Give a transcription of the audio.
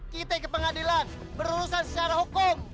kita ke pengadilan berurusan secara hukum